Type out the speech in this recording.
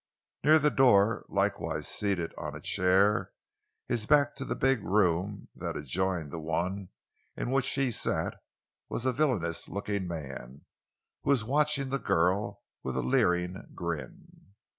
Near the door, likewise seated on a chair, his back to the big room that adjoined the one in which he sat, was a villainous looking man who was watching the girl with a leering grin.